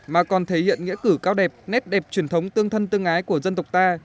mà còn thể hiện nghĩa cử cao đẹp nét đẹp truyền thống tương thân tương ái của dân tộc ta